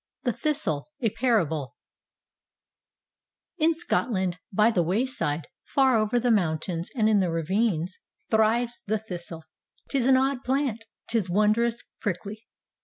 THE THISTLE: A PARABLE In Scotland, by the wayside, far over the mountains and in the ravines, thrives the thistle. ^Tis an odd plant! ^Tis wondrous prickly!